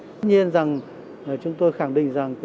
tuy nhiên chúng tôi khẳng định